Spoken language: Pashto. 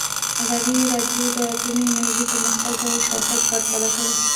ازادي راډیو د اټومي انرژي پرمختګ او شاتګ پرتله کړی.